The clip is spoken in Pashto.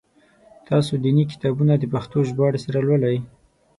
تاسو دیني کتابونه د پښتو ژباړي سره لولی؟